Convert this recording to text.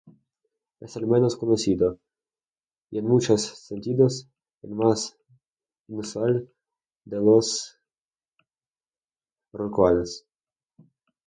Es el menos conocido, y en muchos sentidos, el más inusual de los rorcuales.